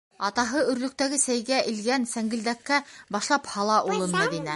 Атаһы өрлөктәге сәйгә элгән сәңгелдәккә башлап һала улын Мәҙинә.